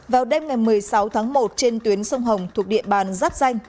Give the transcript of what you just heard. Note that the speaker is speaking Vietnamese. vào đêm ngày một mươi sáu tháng một trên tuyến sông hồng thuộc địa bàn giáp danh